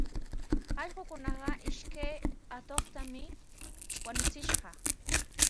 Allquukunaqa ishkay atuqtami wañuchishqa.